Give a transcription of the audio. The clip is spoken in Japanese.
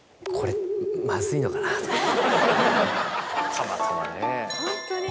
たまたまね。